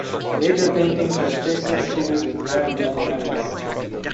Later paintings have faceless figures with large blank eyes.